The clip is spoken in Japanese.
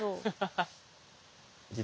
ハハハッ。